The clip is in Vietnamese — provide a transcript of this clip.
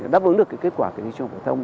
đáp ứng được kết quả kỳ thi trung học phổ thông